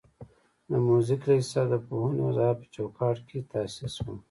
د موزیک لیسه د پوهنې وزارت په چوکاټ کې تاسیس شوه.